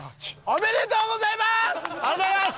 ありがとうございます！